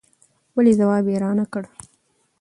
ولې ځواب يې را نه کړ